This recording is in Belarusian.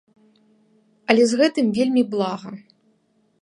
Але з гэтым вельмі блага.